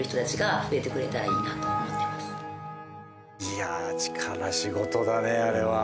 いやあ力仕事だねあれは。